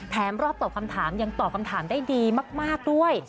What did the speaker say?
รอบตอบคำถามยังตอบคำถามได้ดีมากด้วย